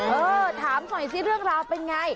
เออถามหน่อยสิเรื่องราวเป็นไง